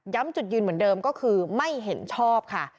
จุดยืนเหมือนเดิมก็คือไม่เห็นชอบค่ะ